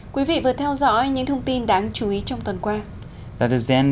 quý vị vừa theo dõi những thông tin đáng chú ý trong tuần qua